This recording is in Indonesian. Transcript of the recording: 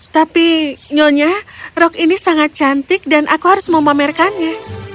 tapi nyonya rock ini sangat cantik dan aku harus memamerkannya